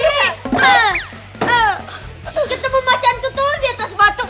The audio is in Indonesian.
tuh kita berbacaan tutur di atas batuk